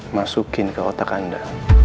masukin ke otak anda